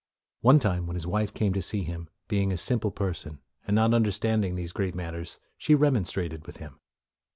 One time, when his wife came to see him, being a simple person, and not under standing these great matters, she remon strated with him.